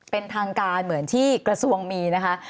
เป็นทางการเหมือนที่กระทรวงมีนะคะ